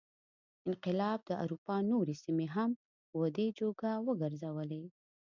انقلاب د اروپا نورې سیمې هم ودې جوګه وګرځولې.